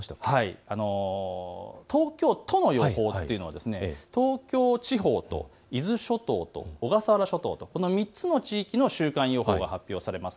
東京都の予報というのは東京地方と伊豆諸島と小笠原諸島、この３つの地域の週間予報が発表されます。